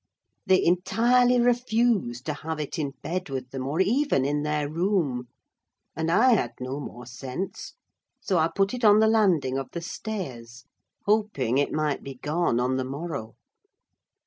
They entirely refused to have it in bed with them, or even in their room; and I had no more sense, so I put it on the landing of the stairs, hoping it might be gone on the morrow.